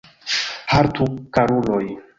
Haltu, karuloj!